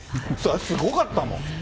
すごかったもん。